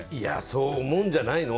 そう思うんじゃないの。